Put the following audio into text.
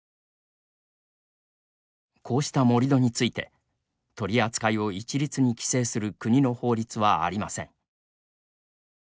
こうした盛り土について取り扱いを一律に規制する国の法律はありません。